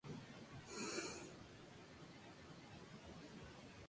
Este modelo es una modificación de un modelo demográfico de Robert Malthus.